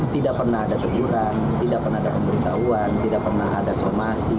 tidak pernah ada teguran tidak pernah ada pemberitahuan tidak pernah ada somasi